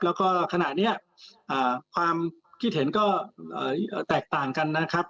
แล้วก็ขณะนี้ความคิดเห็นก็แตกต่างกันนะครับ